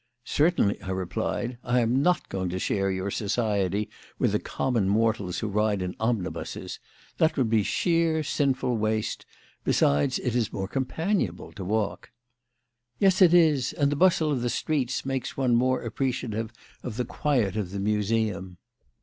"Certainly," I replied; "I am not going to share your society with the common mortals who ride in omnibuses. That would be sheer, sinful waste. Besides, it is more companionable to walk." "Yes, it is; and the bustle of the streets makes one more appreciative of the quiet of the Museum.